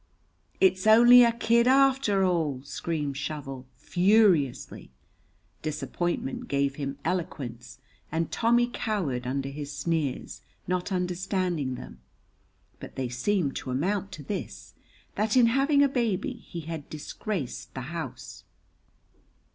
"It's only a kid arter all!" screamed Shovel, furiously. Disappointment gave him eloquence, and Tommy cowered under his sneers, not understanding them, but they seemed to amount to this, that in having a baby he had disgraced the house.